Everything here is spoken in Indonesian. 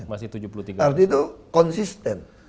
artinya itu konsisten